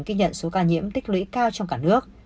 ghi nhận số ca nhiễm tích lũy cao trong cả nước